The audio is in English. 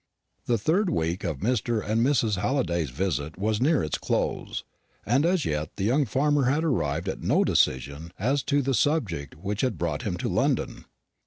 The third week of Mr. and Mrs. Halliday's visit was near its close, and as yet the young farmer had arrived at no decision as to the subject which had brought him to London.